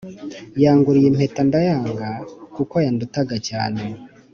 Yanguriye impeta ndayanga kuko yandutaga cyane